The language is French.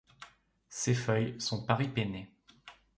Ses feuilles sont paripennées.